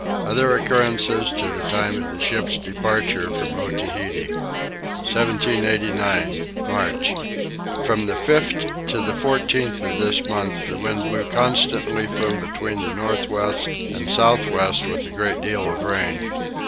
Other Occurrences to the Time of the Ship's Departure from Otaheite. 1789. March. From the 5th to the 14th of this month the wind blew constantly from between the north west and south west with a great deal of rain.